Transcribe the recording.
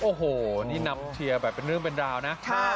โอ้โหนี่นับเชียร์แบบเป็นเรื่องเป็นราวนะ